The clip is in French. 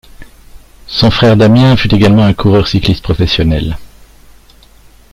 Son frère Damien fut également un coureur cycliste professionnel.